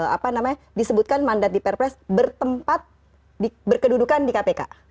apa namanya disebutkan mandat di perpres bertempat berkedudukan di kpk